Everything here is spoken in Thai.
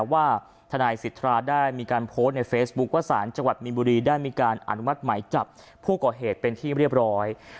ว่าทนายสิทธาได้มีการโพสต์ในเฟซบุ๊คว่าสารจังหวัดมีนบุรีได้มีการอนุมัติหมายจับผู้ก่อเหตุเป็นที่เรียบร้อย